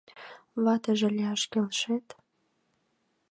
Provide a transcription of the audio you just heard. Ватыже лияш келшет?